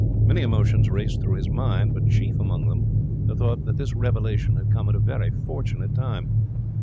Many emotions raced through his mind, but chief among them the thought that this revelation had come at a very fortunate time.